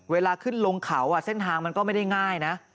เวลาขึ้นลงเขาเส้นทางมันก็ไม่ได้ง่ายนะ